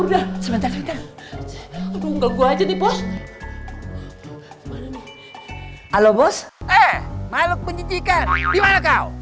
halo bos eh makhluk penjijikan gimana kau